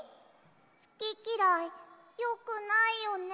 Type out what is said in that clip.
すききらいよくないよね。